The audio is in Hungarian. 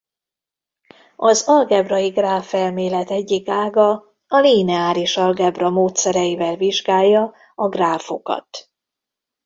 Az algebrai gráfelmélet egyik ága a lineáris algebra módszereivel vizsgálja a gráfokat.